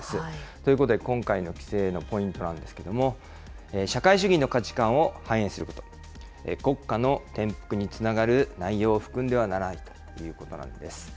ということで、今回の規制のポイントなんですけれども、社会主義の価値観を反映すること、国家の転覆につながる内容を含んではならないということなんです。